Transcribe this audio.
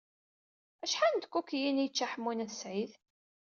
Acḥal n tkukiyin i yečča Ḥemmu n At Sɛid?